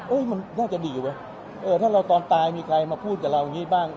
มันน่าจะดีเว้ยเออถ้าเราตอนตายมีใครมาพูดกับเราอย่างนี้บ้าง